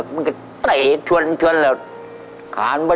ก็เลยไปโรงพยาบาล